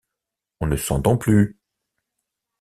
On ne s’entend plus.